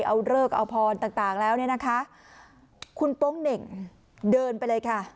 เอาเลิกเอาพรต่างต่างแล้วเนี่ยนะคะคุณโป๊งเหน่งเดินไปเลยค่ะ